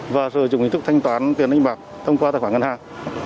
và sử dụng hình thức thanh toán tiền đánh bạc thông qua tài khoản ngân hàng